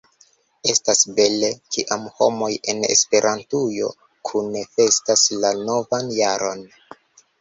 Estas bele, kiam homoj en Esperantujo kune festas la novan jaron.